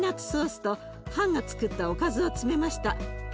ソースとハンがつくったおかずを詰めました。